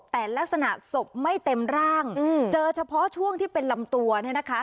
แต่ลักษณะศพไม่เต็มร่างเจอเฉพาะช่วงที่เป็นลำตัวเนี่ยนะคะ